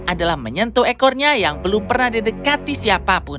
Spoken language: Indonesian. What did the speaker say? adalah menyentuh ekornya yang belum pernah didekati siapapun